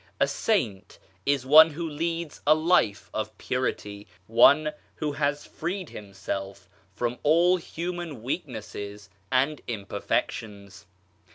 A saint is one who leads a life of purity, one who has freed himself from all human weaknesses and imperfections.